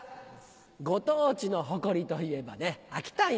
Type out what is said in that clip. ご当地の誇りといえば秋田犬。